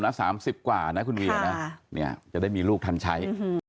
ว่าแบบไม่ว่าจะเป็นเรื่องอะไรก็เบลก็มีแต่ความปรับหนักอยู่ใส่